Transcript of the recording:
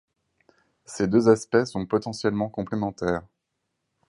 Ces deux aspects sont potentiellement complémentaires.